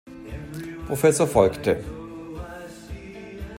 Professor folgte.